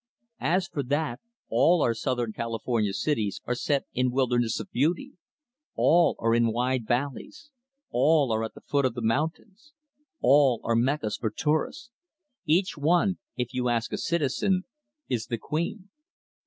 As for that! all our Southern California cities are set in wildernesses of beauty; all are in wide valleys; all are at the foot of the mountains; all are meccas for tourists; each one if you ask a citizen is the Queen.